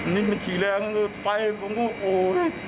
นี่มันขี่แรงไปผมก็โอ้โฮ